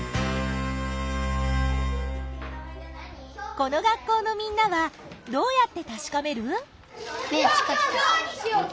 この学校のみんなはどうやってたしかめる？